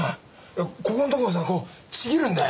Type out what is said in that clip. ここのところをさこうちぎるんだよ。